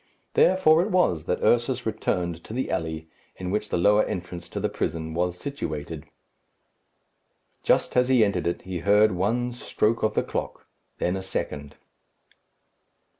Therefore it was that Ursus returned to the alley in which the lower entrance to the prison was situated. Just as he entered it he heard one stroke of the clock, then a second.